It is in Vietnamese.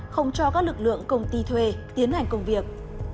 không cho các lực lượng công ty thuê tiến hành công việc